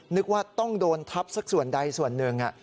นึกว่าต้องโดนทับสักส่วนใดส่วนหนึ่ง